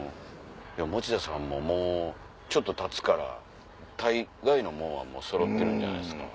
持田さんももうちょっとたつから大概のもんはもうそろってるんじゃないですか。